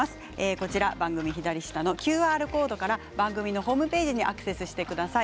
こちら番組右下のＱＲコードから番組のホームページにアクセスしてください。